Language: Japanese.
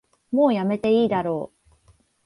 もうやめていいだろ